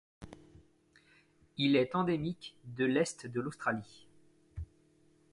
Il est endémique de l'est de l'Australie.